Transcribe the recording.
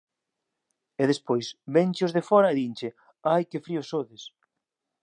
E despois véñenche os de fóra e dinche: ai, que fríos sodes